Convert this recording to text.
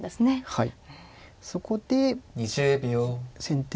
はい。